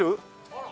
あら！